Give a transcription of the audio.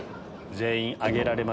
全員挙げられました。